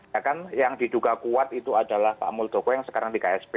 ya kan yang diduga kuat itu adalah pak muldoko yang sekarang di ksp